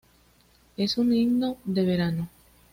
Es un himno de verano.